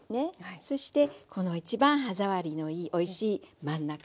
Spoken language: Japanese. そしてこの一番歯触りのいいおいしい真ん中。